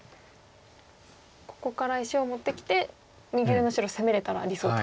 ここから石を持ってきて右上の白攻めれたら理想と。